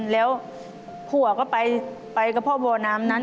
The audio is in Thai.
แล้วผัวก็ไปกับพ่อบ่อน้ำนั้น